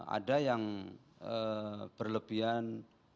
ada yang berlebihan